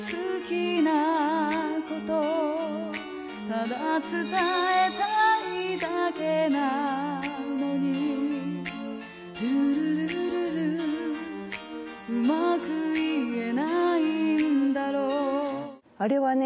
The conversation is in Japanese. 「ただ伝えたいだけなのに」「ルルルルル」「うまく言えないんだろう」あれはね。